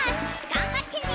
がんばってね。